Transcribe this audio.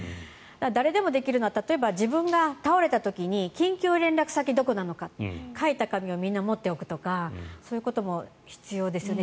誰でもできるのは例えば自分が倒れた時に緊急連絡先がどこなのか書いた紙を持っておくとかそういうことも必要ですよね。